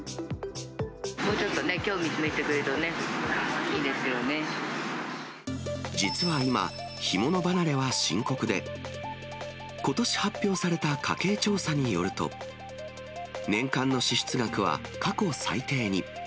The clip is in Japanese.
もうちょっとね、興味示して実は今、干物離れは深刻で、ことし発表された家計調査によると、年間の支出額は過去最低に。